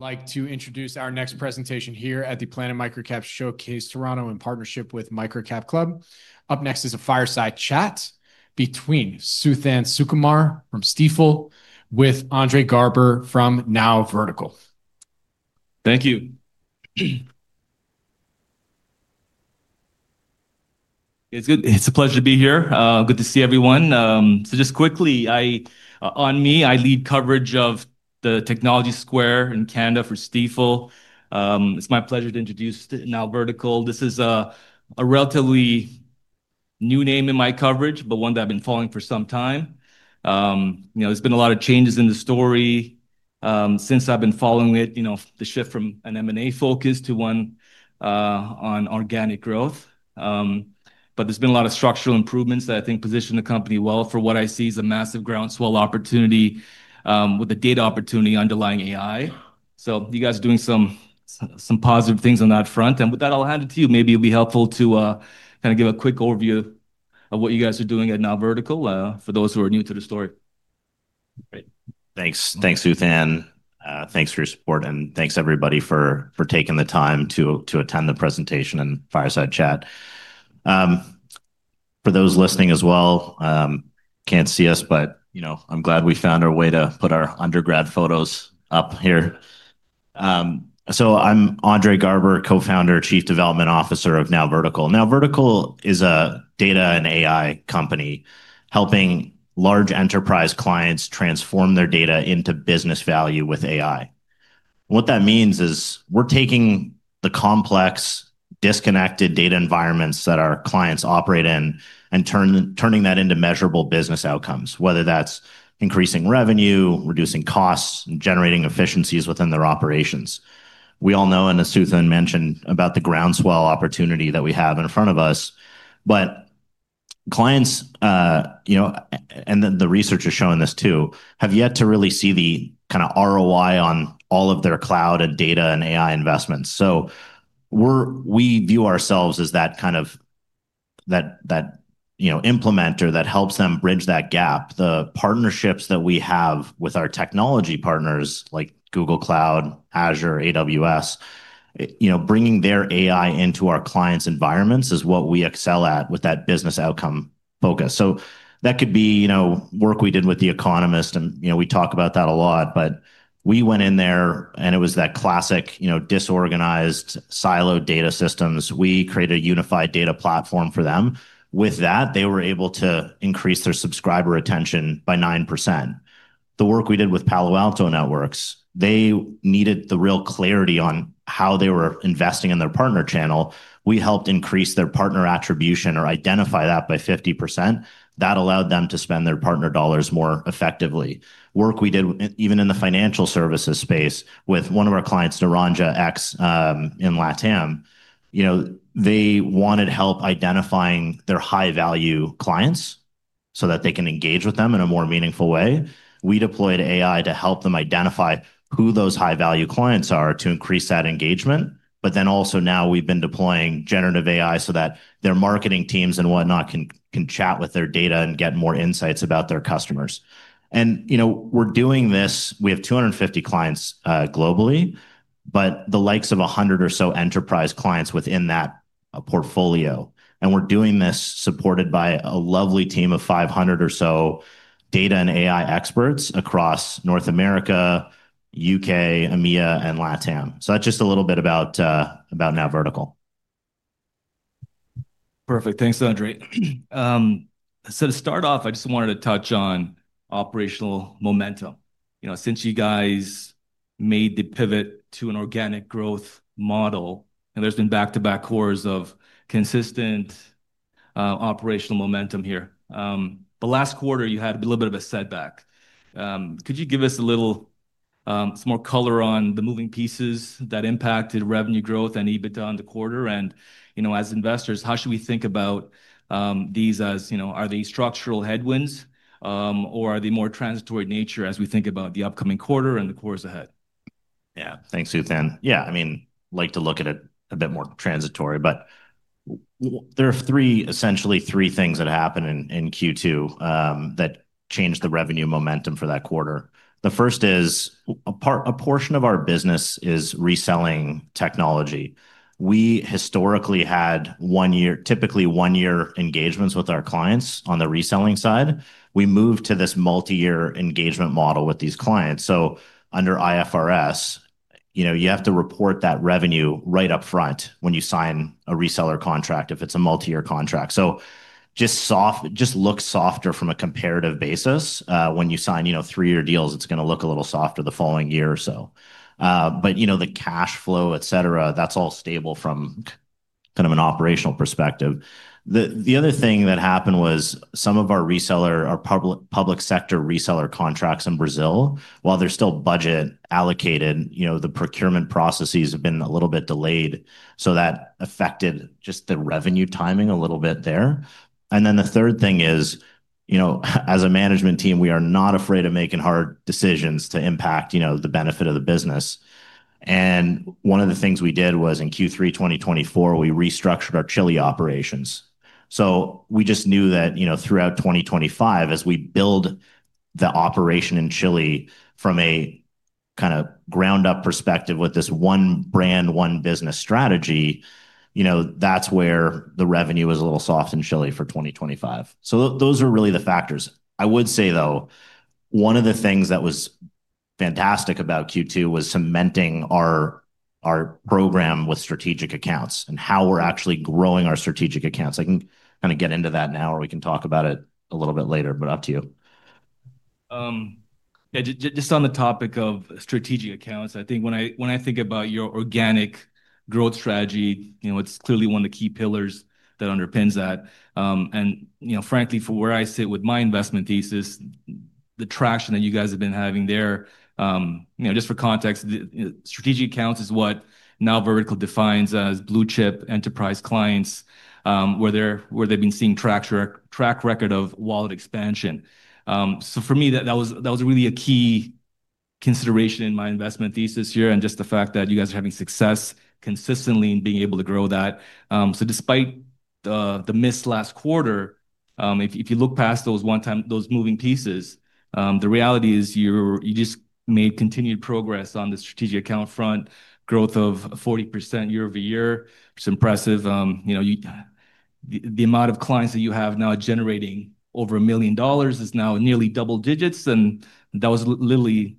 I'd like to introduce our next presentation here at the Planet Microcaps Showcase Toronto in partnership with MicroCapClub. Up next is a fireside chat between Suthan Sukumar from Stifel with Andre Garber from NowVertical. Thank you. It's good. It's a pleasure to be here. Good to see everyone. Just quickly, on me, I lead coverage of the Technology Square in Canada for Stifel. It's my pleasure to introduce NowVertical. This is a relatively new name in my coverage, but one that I've been following for some time. There's been a lot of changes in the story since I've been following it, the shift from an M&A focus to one on organic growth. There's been a lot of structural improvements that I think position the company well for what I see as a massive groundswell opportunity with the data opportunity underlying AI. You guys are doing some positive things on that front. With that, I'll hand it to you. Maybe it'd be helpful to kind of give a quick overview of what you guys are doing at NowVertical for those who are new to the story. Great. Thanks, Suthan. Thanks for your support and thanks everybody for taking the time to attend the presentation and fireside chat. For those listening as well, can't see us, but you know, I'm glad we found our way to put our undergrad photos up here. So I'm Andre Garber, Co-founder, Chief Development Officer of NowVertical. NowVertical is a data and AI company helping large enterprise clients transform their data into business value with AI. What that means is we're taking the complex, disconnected data environments that our clients operate in and turning that into measurable business outcomes, whether that's increasing revenue, reducing costs, and generating efficiencies within their operations. We all know, as Suthan mentioned about the groundswell opportunity that we have in front of us, clients, you know, and the research is showing this too, have yet to really see the kind of ROI on all of their cloud and data and AI investments. We view ourselves as that kind of, that, you know, implementer that helps them bridge that gap. The partnerships that we have with our technology partners like Google Cloud, Azure, AWS, you know, bringing their AI into our clients' environments is what we excel at with that business outcome focus. That could be, you know, work we did with The Economist, and you know, we talk about that a lot, but we went in there and it was that classic, you know, disorganized, siloed data systems. We created a unified data platform for them. With that, they were able to increase their subscriber retention by 9%. The work we did with Palo Alto Networks, they needed the real clarity on how they were investing in their partner channel. We helped increase their partner attribution or identify that by 50%. That allowed them to spend their partner dollars more effectively. Work we did even in the financial services space with one of our clients, Naranja X in LATAM, you know, they wanted help identifying their high-value clients so that they can engage with them in a more meaningful way. We deployed AI to help them identify who those high-value clients are to increase that engagement. Now we've been deploying generative AI so that their marketing teams and whatnot can chat with their data and get more insights about their customers. We're doing this, we have 250 clients globally, but the likes of 100 or so enterprise clients within that portfolio. We're doing this supported by a lovely team of 500 or so data and AI experts across North America, U.K., EMEA, and LATAM. That's just a little bit about NowVertical. Perfect. Thanks, Andre. To start off, I just wanted to touch on operational momentum. You know, since you guys made the pivot to an organic growth model, and there's been back-to-back quarters of consistent operational momentum here. The last quarter you had a little bit of a setback. Could you give us a little more color on the moving pieces that impacted revenue growth and EBITDA on the quarter? You know, as investors, how should we think about these as, you know, are they structural headwinds or are they more transitory in nature as we think about the upcoming quarter and the quarters ahead? Yeah, thanks, Suthan. I like to look at it a bit more transitory, but there are three, essentially three things that happened in Q2 that changed the revenue momentum for that quarter. The first is a portion of our business is reselling technology. We historically had one-year, typically one-year engagements with our clients on the reselling side. We moved to this multi-year engagement model with these clients. Under IFRS, you have to report that revenue right up front when you sign a reseller contract if it's a multi-year contract. It just looks softer from a comparative basis. When you sign three-year deals, it's going to look a little softer the following year or so. The cash flow, etc, that's all stable from an operational perspective. The other thing that happened was some of our public sector reseller contracts in Brazil, while they're still budget allocated, the procurement processes have been a little bit delayed. That affected the revenue timing a little bit there. The third thing is, as a management team, we are not afraid of making hard decisions to impact the benefit of the business. One of the things we did was in Q3 2024, we restructured our Chile operations. We just knew that throughout 2025, as we build the operation in Chile from a ground-up perspective with this one brand, one business strategy, that's where the revenue was a little soft in Chile for 2025. Those are really the factors. I would say though, one of the things that was fantastic about Q2 was cementing our program with strategic accounts and how we're actually growing our strategic accounts. I can kind of get into that now, or we can talk about it a little bit later, but up to you. Yeah, just on the topic of strategic accounts, I think when I think about your organic growth strategy, it's clearly one of the key pillars that underpins that. Frankly, for where I sit with my investment thesis, the traction that you guys have been having there, just for context, strategic accounts is what NowVertical defines as blue chip enterprise clients, where they've been seeing a track record of wallet expansion. For me, that was really a key consideration in my investment thesis here, and just the fact that you guys are having success consistently in being able to grow that. Despite the missed last quarter, if you look past those one-time, those moving pieces, the reality is you just made continued progress on the strategic account front, growth of 40% year-over-year, which is impressive. The amount of clients that you have now generating over $1 million is now nearly double-digits, and that was literally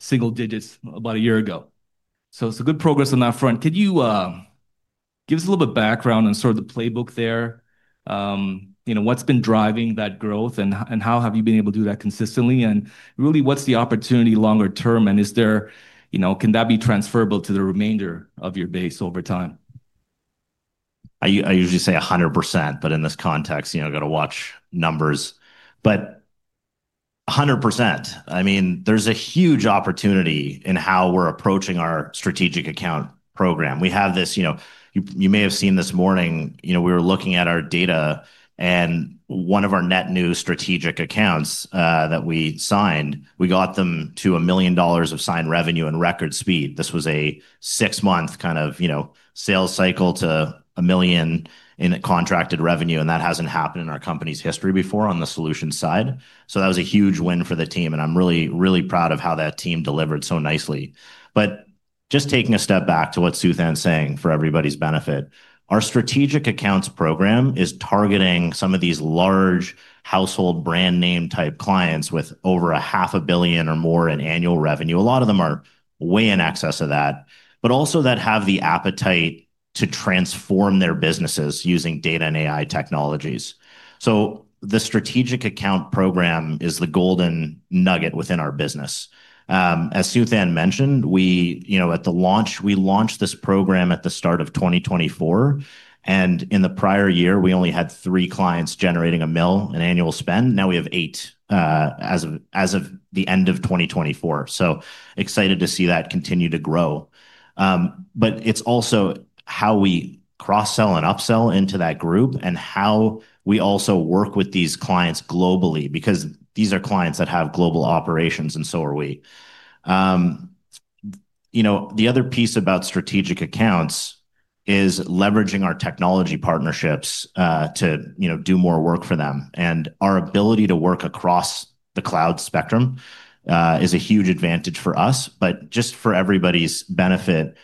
single-digits about a year ago. It's a good progress on that front. Could you give us a little bit of background on sort of the playbook there? What's been driving that growth and how have you been able to do that consistently? Really, what's the opportunity longer term? Is there, you know, can that be transferable to the remainder of your base over time? I usually say 100%, but in this context, I got to watch numbers. 100%, I mean, there's a huge opportunity in how we're approaching our strategic account program. You may have seen this morning, we were looking at our data and one of our net new strategic accounts that we signed, we got them to $1 million of signed revenue in record speed. This was a six-month sales cycle to $1 million in contracted revenue, and that hasn't happened in our company's history before on the solution side. That was a huge win for the team, and I'm really, really proud of how that team delivered so nicely. Just taking a step back to what Suthan's saying for everybody's benefit, our strategic accounts program is targeting some of these large household brand name type clients with over $500 million or more in annual revenue. A lot of them are way in excess of that, but also that have the appetite to transform their businesses using data and AI technologies. The strategic account program is the golden nugget within our business. As Suthan mentioned, at the launch, we launched this program at the start of 2024, and in the prior year, we only had three clients generating $1 million in annual spend. Now we have eight as of the end of 2024. Excited to see that continue to grow. It's also how we cross-sell and upsell into that group and how we also work with these clients globally because these are clients that have global operations and so are we. The other piece about strategic accounts is leveraging our technology partnerships to do more work for them. Our ability to work across the cloud spectrum is a huge advantage for us. Just for everybody's benefit,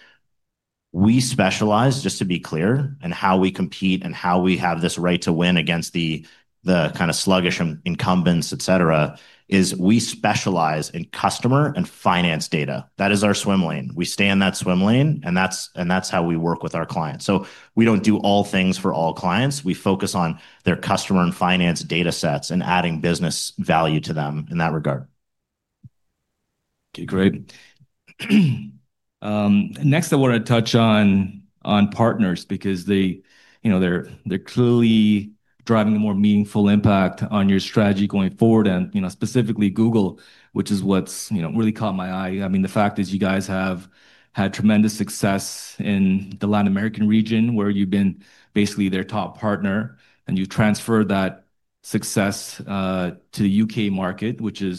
we specialize, just to be clear, in how we compete and how we have this right to win against the kind of sluggish incumbents, etc, is we specialize in customer and finance data. That is our swim lane. We stay in that swim lane and that's how we work with our clients. We don't do all things for all clients. We focus on their customer and finance data sets and adding business value to them in that regard. Okay, great. Next, I want to touch on partners because they’re clearly driving a more meaningful impact on your strategy going forward. Specifically, Google, which is what’s really caught my eye. I mean, the fact is you guys have had tremendous success in the Latin American region where you’ve been basically their top partner and you’ve transferred that success to the U.K. market, which is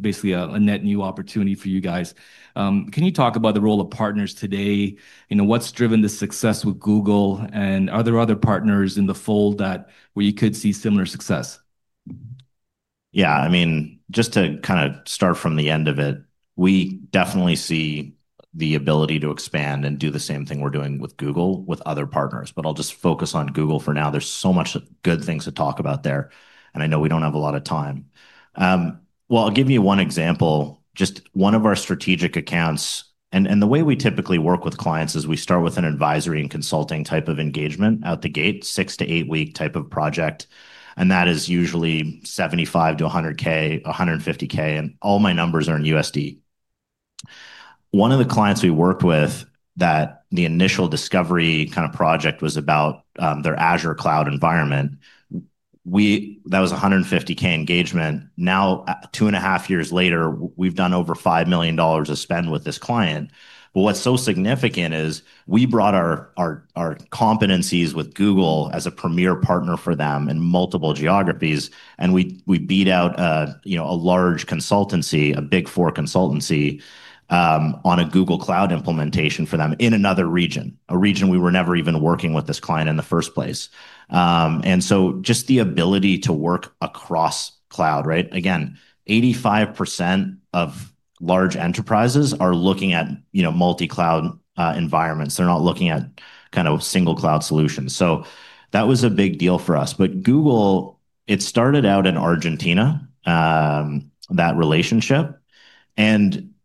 basically a net new opportunity for you guys. Can you talk about the role of partners today? What’s driven the success with Google and are there other partners in the fold where you could see similar success? Yeah, I mean, just to kind of start from the end of it, we definitely see the ability to expand and do the same thing we're doing with Google with other partners. I'll just focus on Google for now. There's so much good things to talk about there. I know we don't have a lot of time. I'll give you one example. Just one of our strategic accounts. The way we typically work with clients is we start with an advisory and consulting type of engagement out the gate, six to eight week type of project. That is usually $75,000-$100,000, $150,000. All my numbers are in USD. One of the clients we worked with, the initial discovery kind of project was about their Azure cloud environment. That was a $150,000 engagement. Now, two and a half years later, we've done over $5 million of spend with this client. What's so significant is we brought our competencies with Google as a Premier Partner for them in multiple geographies. We beat out a large consultancy, a Big Four consultancy, on a Google Cloud implementation for them in another region, a region we were never even working with this client in the first place. Just the ability to work across cloud, right? Again, 85% of large enterprises are looking at multi-cloud environments. They're not looking at kind of single cloud solutions. That was a big deal for us. Google, it started out in Argentina, that relationship.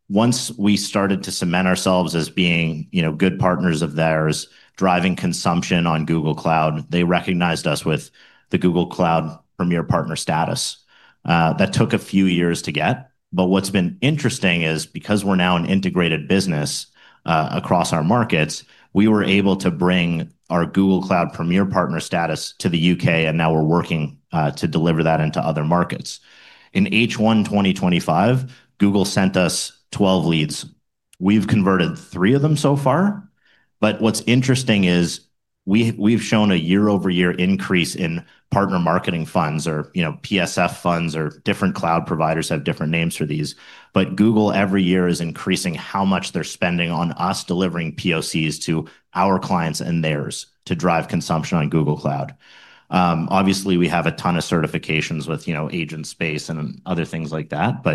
Once we started to cement ourselves as being good partners of theirs, driving consumption on Google Cloud, they recognized us with the Google Cloud Premier Partner status. That took a few years to get. What's been interesting is because we're now an integrated business across our markets, we were able to bring our Google Cloud Premier Partner status to the U.K. Now we're working to deliver that into other markets. In H1 2025, Google sent us 12 leads. We've converted three of them so far. What's interesting is we've shown a year-over-year increase in partner marketing funds or, you know, PSF funds or different cloud providers have different names for these. Google every year is increasing how much they're spending on us delivering POCs to our clients and theirs to drive consumption on Google Cloud. Obviously, we have a ton of certifications with, you know, agent space and other things like that.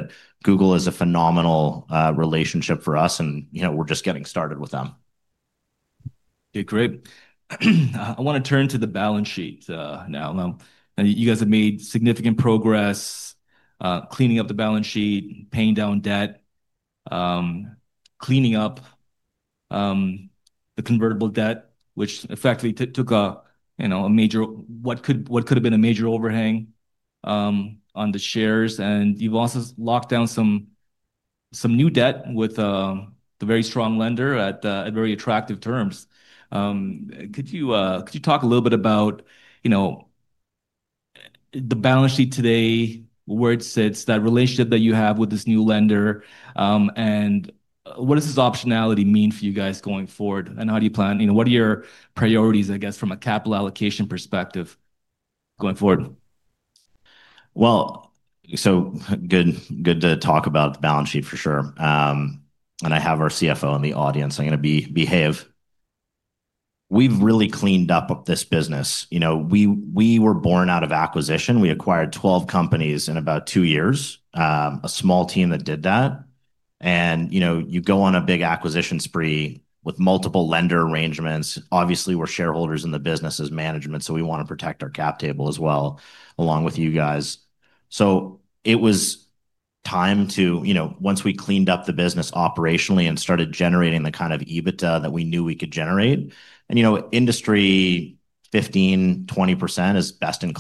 Google is a phenomenal relationship for us. We're just getting started with them. Okay, great. I want to turn to the balance sheet now. Now you guys have made significant progress cleaning up the balance sheet, paying down debt, cleaning up the convertible debt, which effectively took a, you know, a major, what could have been a major overhang on the shares. You've also locked down some new debt with the very strong lender at very attractive terms. Could you talk a little bit about, you know, the balance sheet today, where it sits, that relationship that you have with this new lender, and what does this optionality mean for you guys going forward? How do you plan, you know, what are your priorities, I guess, from a capital allocation perspective going forward? It is good to talk about the balance sheet for sure. I have our CFO in the audience. I'm going to behave. We've really cleaned up this business. You know, we were born out of acquisition. We acquired 12 companies in about two years, a small team that did that. You go on a big acquisition spree with multiple lender arrangements. Obviously, we're shareholders in the business as management. We want to protect our cap table as well, along with you guys. It was time to, you know, once we cleaned up the business operationally and started generating the kind of EBITDA that we knew we could generate. You know, industry 15%, 20% is best in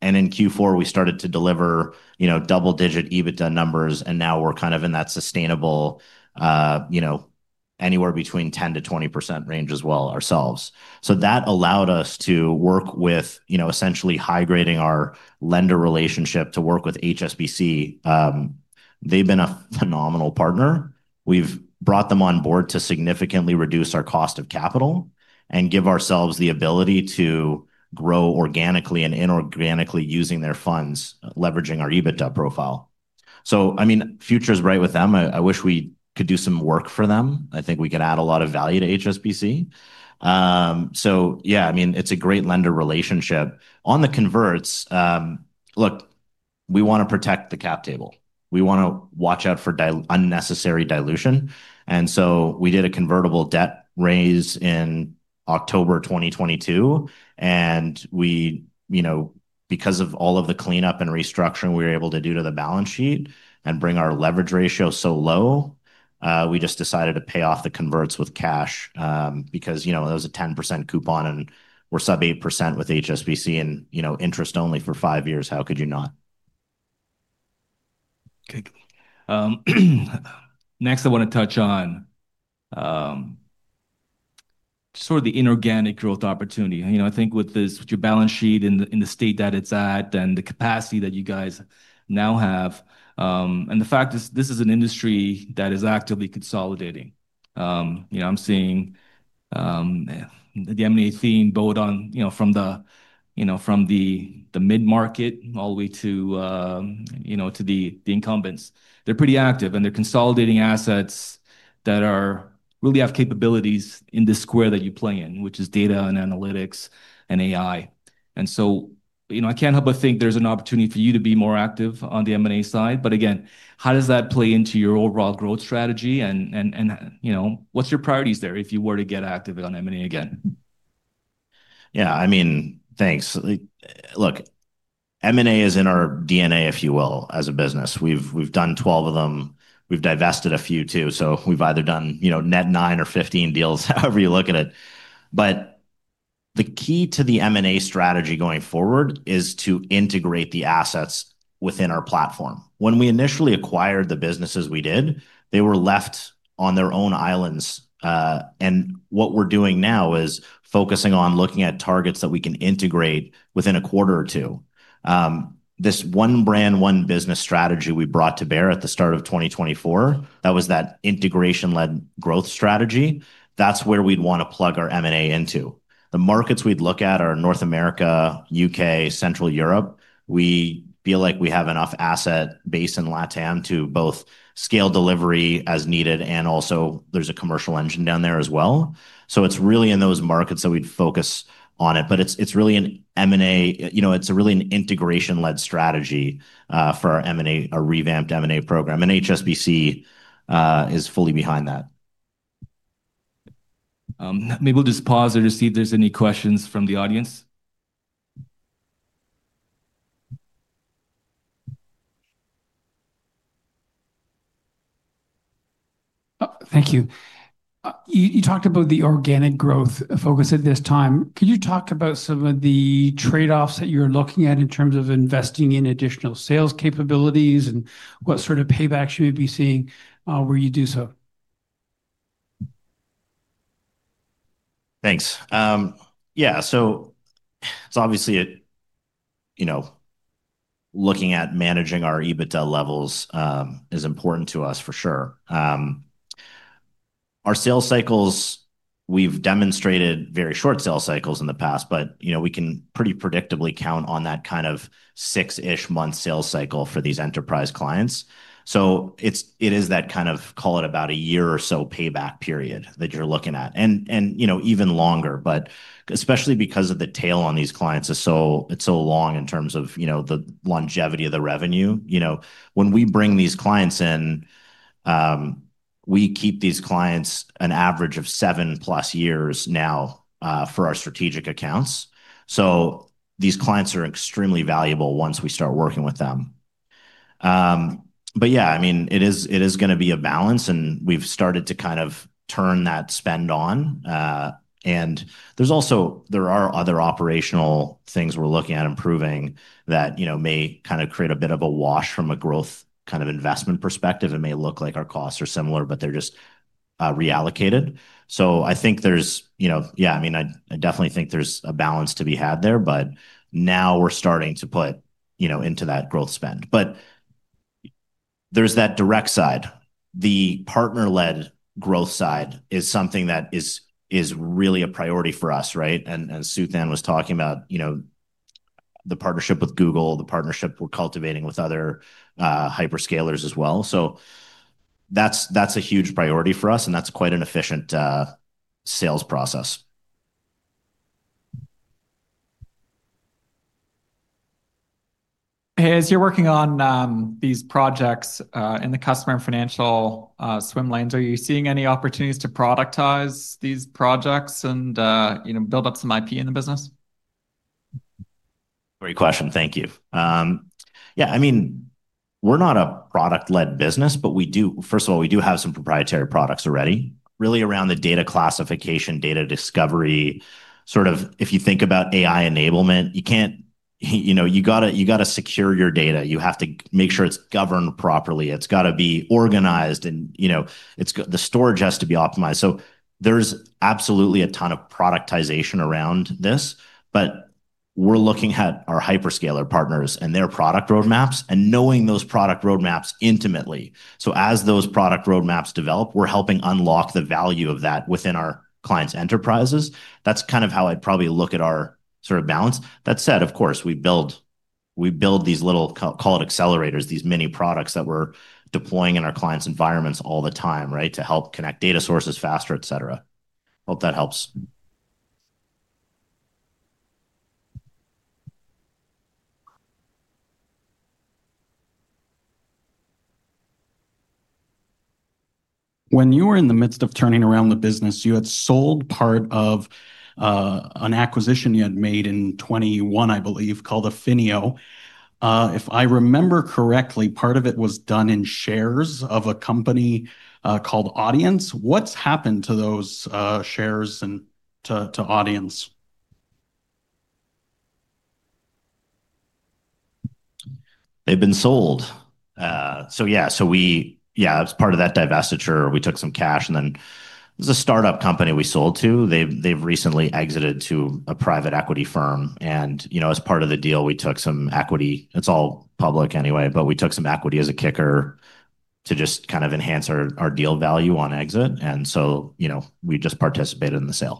class. In Q4, we started to deliver double-digit EBITDA numbers. Now we're kind of in that sustainable, you know, anywhere between 10%-20% range as well ourselves. That allowed us to work with, you know, essentially high-grading our lender relationship to work with HSBC. They've been a phenomenal partner. We've brought them on board to significantly reduce our cost of capital and give ourselves the ability to grow organically and inorganically using their funds, leveraging our EBITDA profile. The future's bright with them. I wish we could do some work for them. I think we could add a lot of value to HSBC. It's a great lender relationship. On the converts, look, we want to protect the cap table. We want to watch out for unnecessary dilution. We did a convertible debt raise in October 2022. Because of all of the cleanup and restructuring we were able to do to the balance sheet and bring our leverage ratio so low, we just decided to pay off the converts with cash because there was a 10% coupon and we're sub 8% with HSBC and interest only for five years. How could you not? Okay. Next, I want to touch on sort of the inorganic growth opportunity. I think with this, with your balance sheet and the state that it's at and the capacity that you guys now have, and the fact that this is an industry that is actively consolidating. I'm seeing the M&A theme both on, you know, from the mid-market all the way to the incumbents. They're pretty active and they're consolidating assets that really have capabilities in this square that you play in, which is data and analytics and AI. I can't help but think there's an opportunity for you to be more active on the M&A side. Again, how does that play into your overall growth strategy? What's your priorities there if you were to get active on M&A again? Yeah, I mean, thanks. Look, M&A is in our DNA, if you will, as a business. We've done 12 of them. We've divested a few too. We've either done, you know, net 9 or 15 deals, however you look at it. The key to the M&A strategy going forward is to integrate the assets within our platform. When we initially acquired the businesses we did, they were left on their own islands. What we're doing now is focusing on looking at targets that we can integrate within a quarter or two. This one brand, one business strategy we brought to bear at the start of 2024, that was that integration-led growth strategy. That's where we'd want to plug our M&A into. The markets we'd look at are North America, U.K., Central Europe. We feel like we have enough asset base in LATAM to both scale delivery as needed. There is also a commercial engine down there as well. It's really in those markets that we'd focus on it. It's really an M&A, you know, it's really an integration-led strategy for our M&A, a revamped M&A program. HSBC is fully behind that. Maybe we'll just pause there to see if there's any questions from the audience. Thank you. You talked about the organic growth focus at this time. Could you talk about some of the trade-offs that you're looking at in terms of investing in additional sales capabilities, and what sort of paybacks you may be seeing where you do so? Thanks. Yeah, it's obviously, you know, looking at managing our EBITDA levels is important to us for sure. Our sales cycles, we've demonstrated very short sales cycles in the past, but you know, we can pretty predictably count on that kind of six-ish month sales cycle for these enterprise clients. It is that kind of, call it about a year or so payback period that you're looking at, and you know, even longer, especially because of the tail on these clients. It's so long in terms of, you know, the longevity of the revenue. You know, when we bring these clients in, we keep these clients an average of 7+ years now for our strategic accounts. These clients are extremely valuable once we start working with them. I mean, it is going to be a balance and we've started to kind of turn that spend on. There are also other operational things we're looking at improving that may kind of create a bit of a wash from a growth kind of investment perspective. It may look like our costs are similar, but they're just reallocated. I think there's, you know, yeah, I mean, I definitely think there's a balance to be had there, but now we're starting to put, you know, into that growth spend. There's that direct side. The partner-led growth side is something that is really a priority for us, right? Suthan was talking about, you know, the partnership with Google Cloud, the partnership we're cultivating with other hyperscalers as well. That's a huge priority for us and that's quite an efficient sales process. As you're working on these projects in the customer and financial swim lanes, are you seeing any opportunities to productize these projects and, you know, build up some IP in the business? Great question. Thank you. Yeah, I mean, we're not a product-led business, but we do, first of all, we do have some proprietary products already, really around the data classification, data discovery, sort of if you think about AI enablement, you can't, you know, you got to secure your data. You have to make sure it's governed properly. It's got to be organized, and the storage has to be optimized. There's absolutely a ton of productization around this. We're looking at our hyperscaler partners and their product roadmaps and knowing those product roadmaps intimately. As those product roadmaps develop, we're helping unlock the value of that within our clients' enterprises. That's kind of how I'd probably look at our sort of balance. That said, of course, we build these little, call it accelerators, these mini products that we're deploying in our clients' environments all the time, right, to help connect data sources faster, etc. Hope that helps. When you were in the midst of turning around the business, you had sold part of an acquisition you had made in 2021, I believe, called Affinio. If I remember correctly, part of it was done in shares of a company called Audience. What's happened to those shares and to Audience? They've been sold. Yeah, it's part of that divestiture. We took some cash and then it was a startup company we sold to. They've recently exited to a private equity firm. As part of the deal, we took some equity. It's all public anyway, but we took some equity as a kicker to just kind of enhance our deal value on exit. We just participated in the sale.